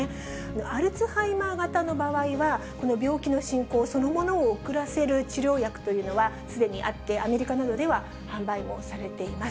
アルツハイマー型の場合は、この病気の進行そのものを遅らせる治療薬というのはすでにあって、アメリカなどでは販売もされています。